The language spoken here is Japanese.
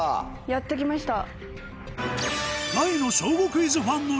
やって来ました。